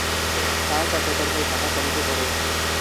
তার চাচাতো ভাই ঢাকা কলেজে পড়ে।